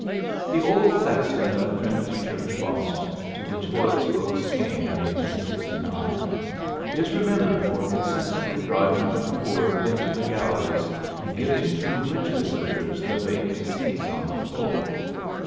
The old sexton of Trinity Church, Boston, to which Phillips Brooks came in 1869, is remembered for consistently driving the poor into the galleries and giving to rich visitors the vacant seats on the floor.